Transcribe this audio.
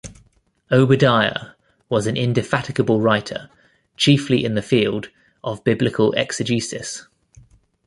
Obadiah was an indefatigable writer, chiefly in the field of Biblical exegesis.